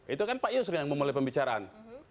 itu kan pak yusuf yang memulai pembicaraan